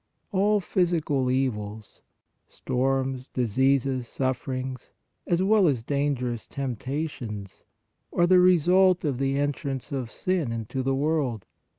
All physical evils, storms, diseases, sufferings, as well as dangerous temptations are the result of the entrance of sin into the world.